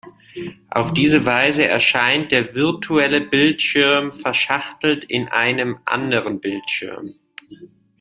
Auf diese Weise erscheint der "virtuelle" Bildschirm verschachtelt in einem anderen Bildschirm.